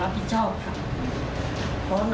สวัสดีครับ